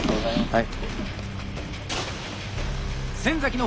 はい。